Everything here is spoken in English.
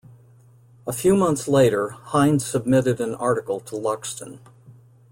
A few months later Hind submitted an article to Luxton.